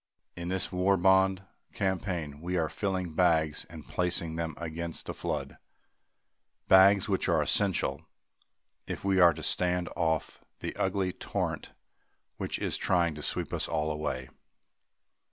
In this war bond campaign we are filling bags and placing them against the flood bags which are essential if we are to stand off the ugly torrent which is trying to sweep us all away.